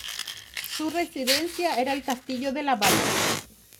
Su residencia era el castillo de Laval.